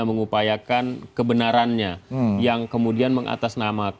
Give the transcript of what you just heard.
karena yang sedangitionnya adalah adat tersebut di antara hal hal itu